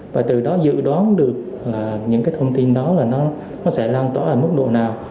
và từ đó dự đoán được những thông tin đó sẽ lan tỏa mức độ nào